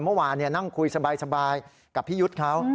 เมื่อวานนั่งคุยสบายกับพี่ยุทธ์เขา